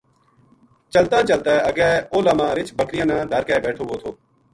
چلتاں چلتاں اگے اُلہا ما رچھ بکریاں نا دھر کے بیٹھو وو تھو